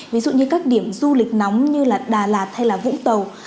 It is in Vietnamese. ví dụ như các điểm du lịch nóng như là đà lạt hay là vũng tàu